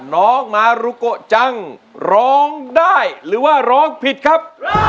น้องมารุโกะจังร้องได้หรือว่าร้องผิดครับ